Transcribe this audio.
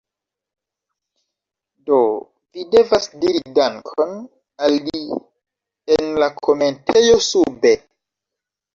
Do, vi devas diri dankon al li en la komentejo sube